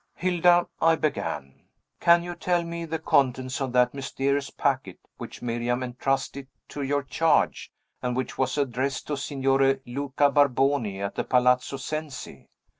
"Hilda," I began, "can you tell me the contents of that mysterious packet which Miriam entrusted to your charge, and which was addressed to Signore Luca Barboni, at the Palazzo Cenci?"